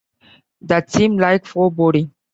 That seemed like foreboding.